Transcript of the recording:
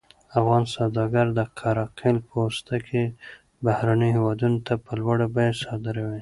افغان سوداګر د قره قل پوستکي بهرنیو هېوادونو ته په لوړه بیه صادروي.